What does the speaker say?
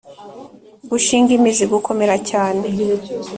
gushinga imizi: gukomera cyane